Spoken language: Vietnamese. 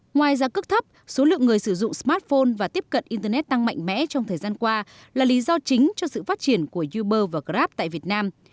ngoài giá cước thấp số lượng người sử dụng smartphone và tiếp cận internet tăng mạnh mẽ trong thời gian qua là lý do chính cho sự phát triển của uber và grab tại việt nam